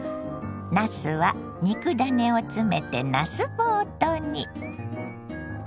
なすは肉ダネを詰めてなすボートに。